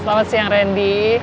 selamat siang randy